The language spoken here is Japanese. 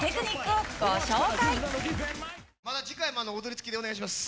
次回も踊りつきでお願いします。